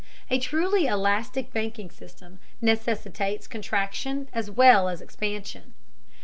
_A truly elastic banking system necessitates contraction as well as expansion.